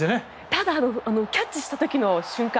ただキャッチした瞬間